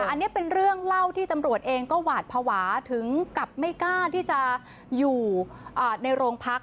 อันนี้เป็นเรื่องเล่าที่ตำรวจเองก็หวาดภาวะถึงกับไม่กล้าที่จะอยู่ในโรงพัก